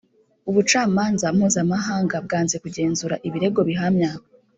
ubucamanza mpuzamahanga bwanze kugenzura ibirego bihamya